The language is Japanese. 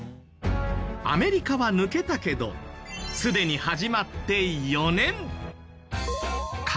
アメリカは抜けたけどすでに始まって４年。